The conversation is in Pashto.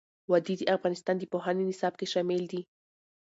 وادي د افغانستان د پوهنې نصاب کې شامل دي.